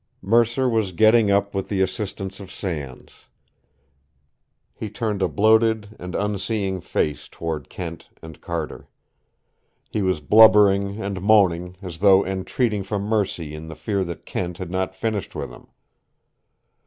Mercer was getting up with the assistance of Sands. He turned a bloated and unseeing face toward Kent and Carter. He was blubbering and moaning, as though entreating for mercy in the fear that Kent had not finished with him.